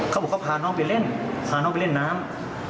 เขาบอกเขาพาน้องไปเล่นพาน้องไปเล่นน้ำ